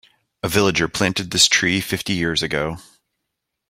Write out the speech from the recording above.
A villager planted this tree fifty years ago.